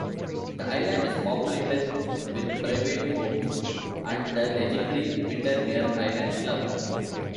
The island is populated with private homes and the legendary Windermere Island Club.